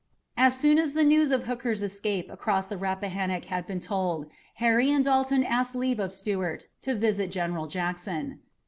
As soon as the news of Hooker's escape across the Rappahannock had been told, Harry and Dalton asked leave of Stuart to visit General Jackson.